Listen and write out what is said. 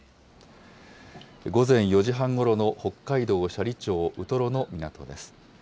午前４時半ごろの北海道斜里町ウトロの港です。